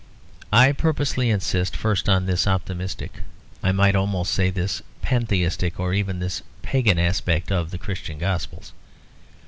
I purposely insist first on this optimistic, I might almost say this pantheistic or even this pagan aspect of the Christian Gospels.